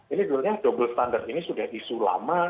ini dulunya double standard ini sudah isu lama